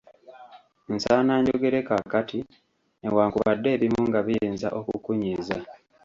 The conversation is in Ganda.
Nsaana njogere kaakati, newakubadde ebimu nga biyinza okukunyiiza.